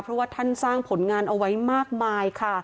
เพราะว่าท่านสร้างผลงานเอาไว้มากมายค่ะ